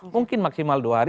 mungkin maksimal dua hari